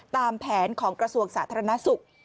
ตามแผนของกระทรวงสาธารณสุข